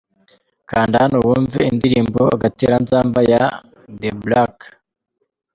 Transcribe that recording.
Kanda hano wumve indirimbo Agatereranzamba ya Da Black.